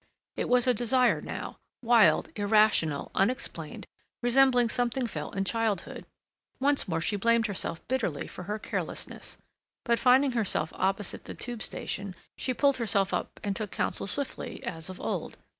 It was a desire now—wild, irrational, unexplained, resembling something felt in childhood. Once more she blamed herself bitterly for her carelessness. But finding herself opposite the Tube station, she pulled herself up and took counsel swiftly, as of old.